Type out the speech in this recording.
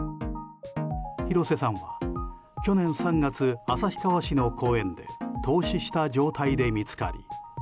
広瀬さんは去年３月、旭川市の公園で凍死した状態で見つかり